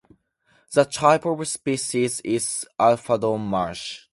The type species is "Alphadon marshi".